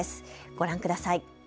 ご覧ください。